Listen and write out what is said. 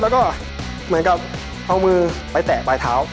แล้วก็เอามือไปแตะไปท้าว